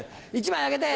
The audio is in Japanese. １枚あげて。